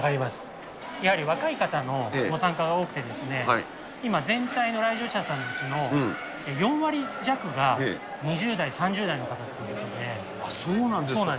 やはり若い方のご参加が多くて、今、全体の来場者さんのうちの４割弱が、２０代、そうなんですか。